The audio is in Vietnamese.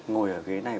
ngồi ở ghế này